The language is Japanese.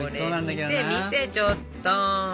見て見てちょっと。